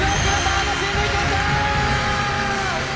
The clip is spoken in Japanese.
楽しんでいきましょう！